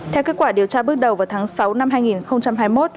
theo kết quả điều tra bước đầu vào tháng sáu năm hai nghìn hai mươi một